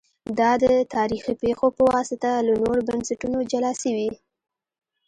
دا د تاریخي پېښو په واسطه له نورو بنسټونو جلا سوي